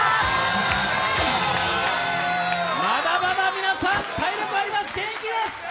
まだまだ皆さん、体力あります、元気です！